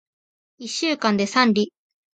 一週間で三里